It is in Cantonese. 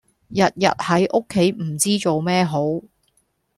日日喺屋企唔知做咩好